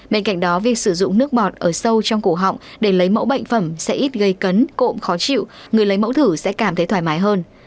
bên cạnh đó việc sử dụng nước bọt ở sâu trong cổ họng để lấy mẫu bệnh phẩm sẽ ít gây cấn cộm khó chịu người lấy mẫu thử sẽ cảm thấy thoải mái hơn